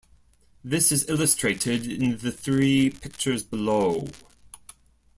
This is illustrated in the three pictures below.